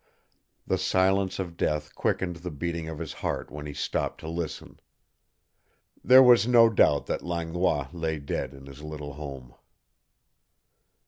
The silence of death quickened the beating of his heart when he stopped to listen. There was no doubt that Langlois lay dead in his little home.